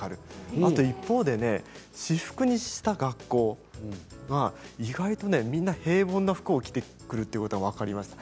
あと一方で私服にした学校意外とみんな平凡な服を着てくるということが分かりました。